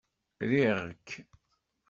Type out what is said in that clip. Riɣ-k!